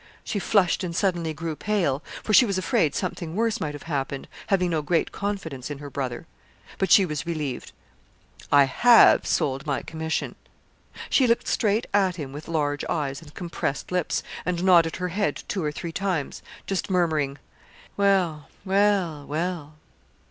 She flushed and suddenly grew pale, for she was afraid something worse might have happened, having no great confidence in her brother. But she was relieved. 'I have sold my commission.' She looked straight at him with large eyes and compressed lips, and nodded her head two or three times, just murmuring, 'Well! well! well!'